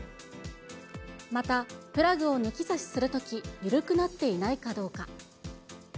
また、プラグを抜き差しするとき、緩くなっていないかどうか。